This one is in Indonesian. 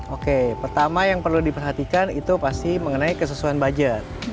oke pertama yang perlu diperhatikan itu pasti mengenai kesesuaian budget